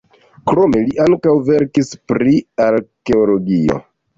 Krome li ankaŭ verkis pri arkeologio.